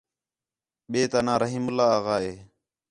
ٻئے تا ناں رحیم اللہ آغا ہے